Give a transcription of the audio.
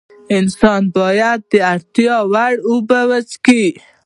انسان باید د اړتیا وړ اوبه وڅښي